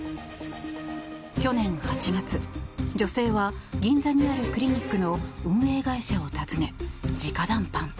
去年８月、女性は銀座にあるクリニックの運営会社を訪ね、直談判。